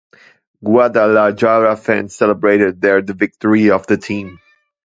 Guadalajara fans celebrated there the victory of the team.